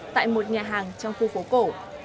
tại một nhà hàng trong khu phố cổ